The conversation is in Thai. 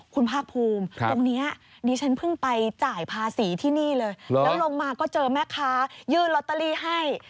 คุณภาคภูมิตรงนี้ดิฉันเพิ่งไปจ่ายภาษีที่นี่เลยแล้วลงมาก็เจอแม่ค้ายื่นลอตเตอรี่ให้